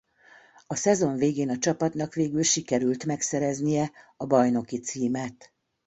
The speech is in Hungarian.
A szezon végén a csapatnak végül sikerült megszereznie a bajnoki címet.